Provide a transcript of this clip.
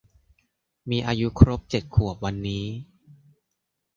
มีอาอายุครบเจ็ดขวบวันนี้